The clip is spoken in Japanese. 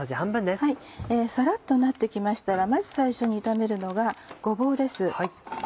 さらっとなってきましたらまず最初に炒めるのがごぼうです。